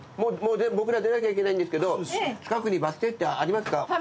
もう僕ら出なきゃいけないんですけど近くにバス停ってありますか？